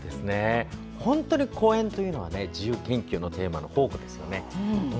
本当に公園というのは自由研究のテーマの宝庫ですよね。